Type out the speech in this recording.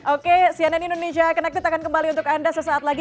oke cnn indonesia connected akan kembali untuk anda sesaat lagi